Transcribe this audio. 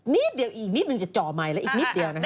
นิดเดียวอีกนิดหนึ่งจะเจาะไมค์แล้วอีกนิดเดียวนะครับ